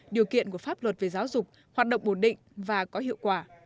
điều kiện của pháp luật về giáo dục hoạt động ổn định và có hiệu quả